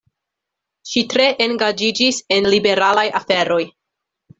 Ŝi tre engaĝiĝis en liberalaj aferoj.